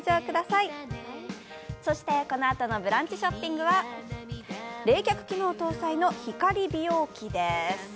そして、このあとの「ブランチショッピング」は、冷却機能搭載の光美容器です。